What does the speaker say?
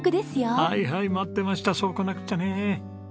はいはい待ってましたそうこなくっちゃね。